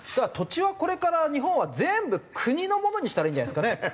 土地はこれから日本は全部国のものにしたらいいんじゃないですかね。